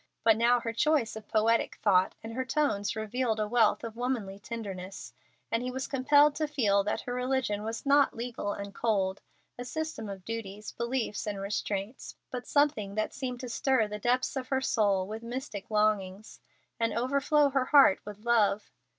But now her choice of poetic thought and her tones revealed a wealth of womanly tenderness, and he was compelled to feel that her religion was not legal and cold, a system of duties, beliefs, and restraints, but something that seemed to stir the depths of her soul with mystic longings, and overflow her heart with love.